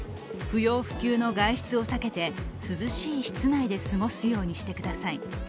不要不急の外出を避けて涼しい室内で過ごすようにしてください。